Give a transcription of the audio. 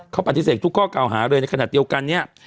เขาปฏิเสธทุกข้อเก่าหาเลยในขณะเดียวกันเนี่ย